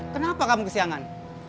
kenapa kamu kesiangan